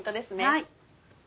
はい。